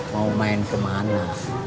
mau main kemana